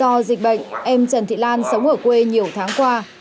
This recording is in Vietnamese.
do dịch bệnh em trần thị lan sống ở quê nhiều tháng qua